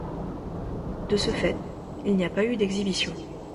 De ce fait, il n’y a pas eu d’exhibition.